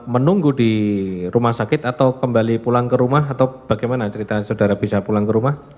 menunggu di rumah sakit atau kembali pulang ke rumah atau bagaimana cerita saudara bisa pulang ke rumah